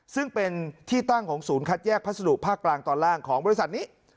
ซึ่งเป็นที่ตั้งของศูนย์คัดแยกพัสดุภาคกลางตอนล่างของบริษัทนี้